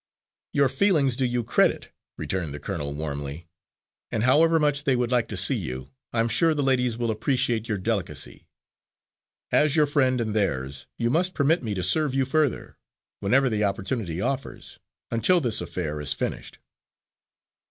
"Your feelings do you credit," returned the colonel warmly, "and however much they would like to see you, I'm sure the ladies will appreciate your delicacy. As your friend and theirs, you must permit me to serve you further, whenever the opportunity offers, until this affair is finished."